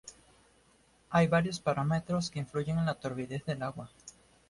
Hay varios parámetros que influyen en la turbidez del agua.